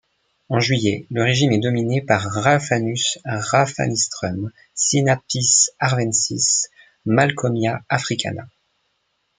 En juillet, le régime est dominé par Raphanus raphanistrum, Sinapis arvensis, Malcomia africana.